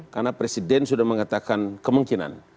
karena presiden sudah mengatakan kemungkinan